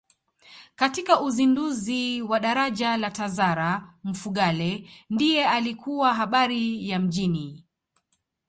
Katika uzinduzi wa daraja la Tazara Mfugale ndiye alikuwa habari ya mjini